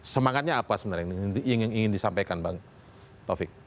semangatnya apa sebenarnya yang ingin disampaikan bang taufik